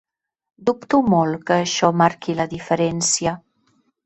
Dubto molt que això marqui la diferència.